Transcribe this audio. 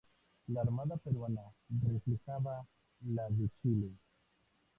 La armada peruana reflejaba la de chile.